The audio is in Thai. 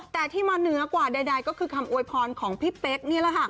แต่ที่มาเหนือกว่าใดก็คือคำอวยพรของพี่เป๊กนี่แหละค่ะ